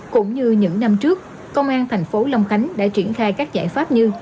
cũng như những năm trước công an thành phố long khánh đã triển khai các giải pháp như